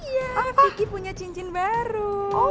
iya vicky punya cincin baru